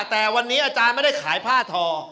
แต่วันนี้อาจารย์ไม่ได้ขายผ้าทอ